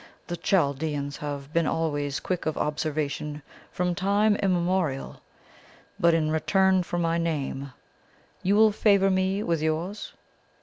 The Chaldeans have been always quick of observation from time immemorial. But in return for my name, you will favour me with yours?'